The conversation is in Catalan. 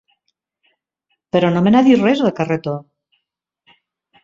Però no me n'ha dit res, del carretó.